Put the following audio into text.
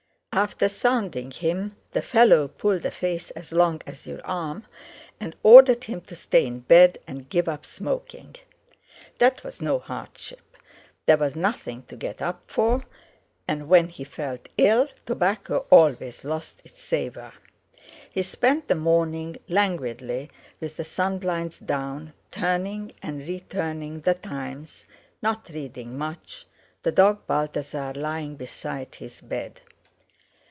After sounding him, the fellow pulled a face as long as your arm, and ordered him to stay in bed and give up smoking. That was no hardship; there was nothing to get up for, and when he felt ill, tobacco always lost its savour. He spent the morning languidly with the sun blinds down, turning and re turning The Times, not reading much, the dog Balthasar lying beside his bed.